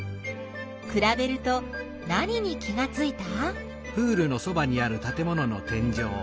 くらべると何に気がついた？